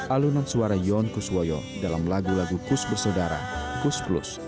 alunan suara yon kuswoyo dalam lagu lagu kus bersaudara kus plus